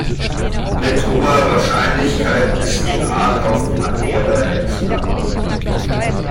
Mit hoher Wahrscheinlichkeit ist die Art auf Madeira entstanden.